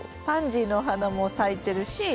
パンジーのお花も咲いてるし。